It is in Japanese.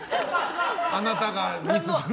あなたがミスすると。